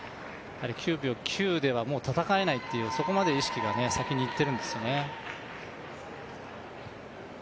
９秒９ではもう戦えないというそこまでの意識が先にいっているんですよね。